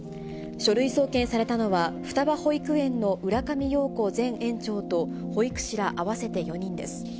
書類送検されたのは、双葉保育園の浦上陽子前園長と、保育士ら合わせて４人です。